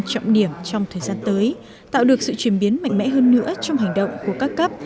trọng điểm trong thời gian tới tạo được sự chuyển biến mạnh mẽ hơn nữa trong hành động của các cấp